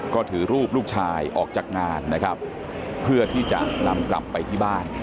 ก็ถือรูปลูกชายออกจากงานนะครับเพื่อที่จะนำกลับไปที่บ้าน